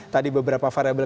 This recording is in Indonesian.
tadi beberapa variabelnya